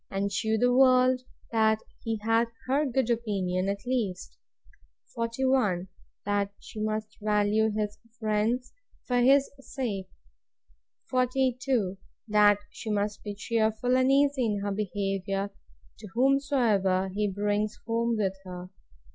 And shew the world, that he had HER good opinion at least. 41. That she must value his friends for his sake. 42. That she must be cheerful and easy in her behaviour, to whomsoever he brings home with him.